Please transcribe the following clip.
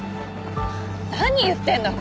何言ってんの。